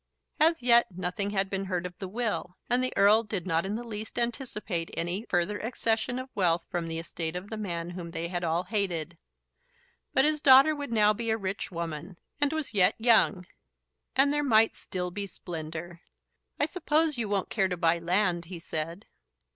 As yet nothing had been heard of the will, and the Earl did not in the least anticipate any further accession of wealth from the estate of the man whom they had all hated. But his daughter would now be a rich woman; and was yet young, and there might still be splendour. "I suppose you won't care to buy land," he said.